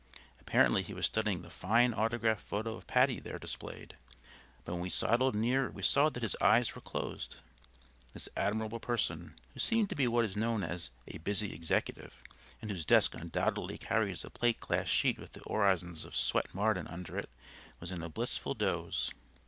Apparently he was studying the fine autographed photo of Patti there displayed; but when we sidled near we saw that his eyes were closed; this admirable person, who seemed to be what is known as a "busy executive," and whose desk undoubtedly carries a plate glass sheet with the orisons of Swett Marden under it, was in a blissful doze.